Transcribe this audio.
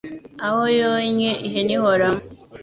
Aho yonnye ihene ihoramo.